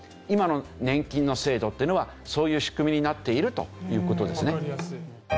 今の年金の制度っていうのはそういう仕組みになっているという事ですね。